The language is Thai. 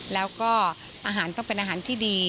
แล้วก็อาหารต้องเป็นอาหารที่ดี